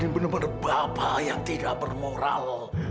benar benar bapak yang tidak bermoral